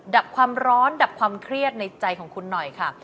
ดับความร้อนดับความเครียดในใจของคุณหน่อยค่ะ